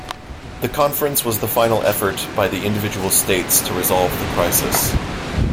The conference was the final effort by the individual states to resolve the crisis.